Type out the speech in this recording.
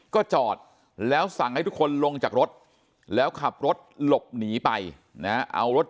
ก็จอดแล้วสั่งให้ทุกคนลงจากรถแล้วขับรถหลบหนีไปนะเอารถ